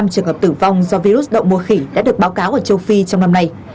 năm trường hợp tử vong do virus động mùa khỉ đã được báo cáo ở châu phi trong năm nay